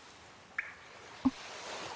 あっ。